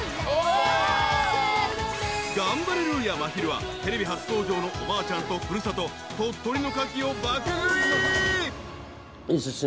［ガンバレルーヤまひるはテレビ初登場のおばあちゃんと古里鳥取のかきを爆食い］